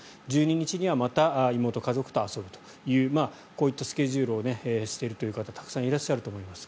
１２日にはまた妹家族と遊ぶというこういったスケジュールをしているという方たくさんいらっしゃると思います。